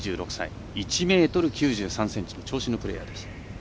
１ｍ９３ｃｍ、長身のプレーヤー。